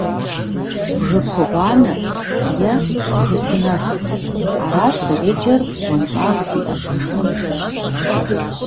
«Бгы кугъуанэ» е «бгы кунэф». Аращ зэреджэр бгъуэнщIагъ зиIэ бгышхуэхэм.